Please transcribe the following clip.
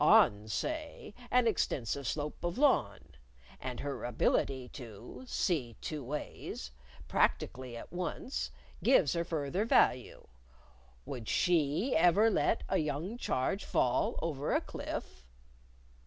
on, say, an extensive slope of lawn. And her ability to, see two ways practically at once gives her further value. Would she ever let a young charge fall over a cliff?"